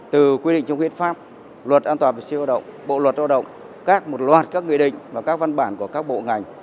từ quy định chung khuyến pháp luật an toàn về siêu hoạt động bộ luật hoạt động các một loạt các nghị định và các văn bản của các bộ ngành